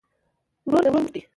ورور د ورور مټ دی